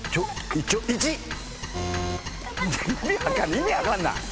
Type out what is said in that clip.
意味分かんない！